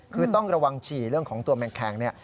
คือต้องระวังฉี่เรื่องของตัวแมงแคง